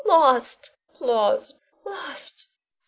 Lost! lost! lost!